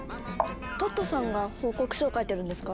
トットさんが報告書を書いてるんですか？